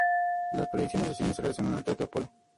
Las proyecciones de cine se realizaron en el Teatro Apolo.